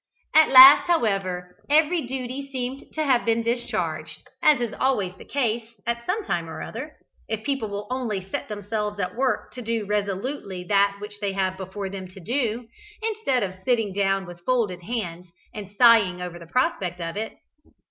At last, however, every duty seemed to have been discharged, as is always the case, at some time or other, if people will only set themselves at work to do resolutely that which they have before them to do, instead of sitting down with folded hands and sighing over the prospect of it.